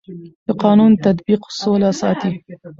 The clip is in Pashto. د قانون تطبیق سوله ساتي